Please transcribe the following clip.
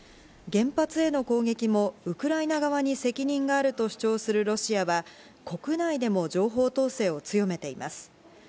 原発への攻撃もウクライナ側に責任があると主張するロシアは、国内でも情報統制を強めています。